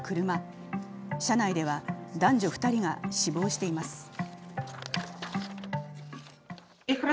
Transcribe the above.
車内では男女２人が死亡しています